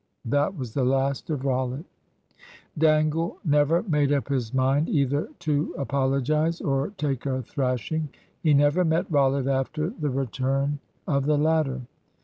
That was the last of Rollitt. Dangle never made up his mind either to apologise or take a thrashing. He never met Rollitt after the return of the latter.